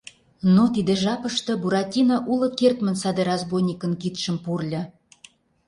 Но тиде жапыште Буратино уло кертмын саде разбойникын кидшым пурльо...